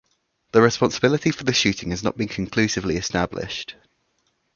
The responsibility for the shooting has not been conclusively established.